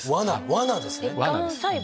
わなですね。